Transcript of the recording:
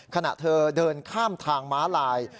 ขณะเธอเดินข้ามทางม้าลาย